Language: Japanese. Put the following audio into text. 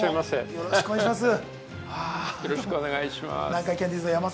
よろしくお願いします。